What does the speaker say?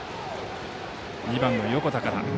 ２番の横田から。